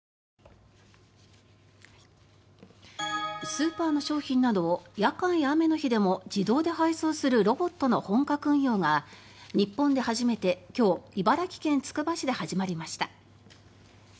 スーパーの商品などを夜間の雨の日でも自動で配送するロボットの本格運用が日本で初めて今日茨城県つくば市で始まりました。